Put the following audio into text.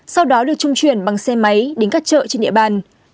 sau đó được trung chuyển bằng xe máy đến các chợ trên địa bàn